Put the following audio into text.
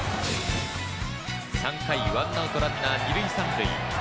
３回、１アウトランナー２塁３塁。